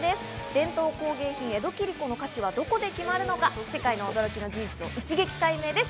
伝統工芸品、江戸切子の価値はどこで決まるのか、世界の驚きの事実を一撃解明です。